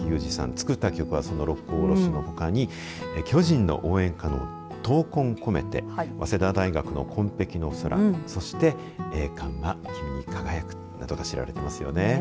作った曲はその六甲おろしのほかに巨人の応援歌、闘魂込めて早稲田大学の紺碧の空そして栄冠は君に輝くなどが知られていますよね。